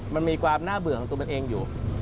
มันมีความน่าเบื่อของตัวมันเองอยู่